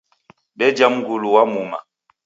Deja mngulu wa muma.